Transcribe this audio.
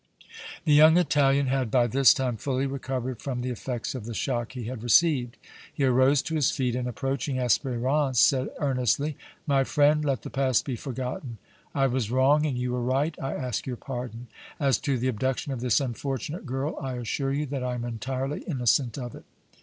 The young Italian had by this time fully recovered from the effects of the shock he had received. He arose to his feet, and, approaching Espérance, said, earnestly: "My friend, let the past be forgotten. I was wrong and you were right. I ask your pardon. As to the abduction of this unfortunate girl, I assure you that I am entirely innocent of it!"